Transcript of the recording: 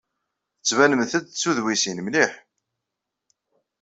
Tettbanemt-d d tudwisin mliḥ!